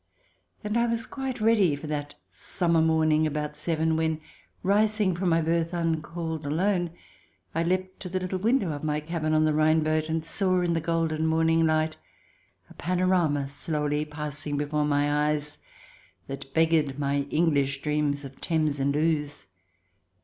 And I was quite ready for that summer morning about seven when, rising from my berth, uncalled, alone, I leapt to the little window of my cabin on the Rhine boat, and saw, in the golden morning light, a panorama slowly passing before my eyes, that beggared my English dreams of Thames and Ouse.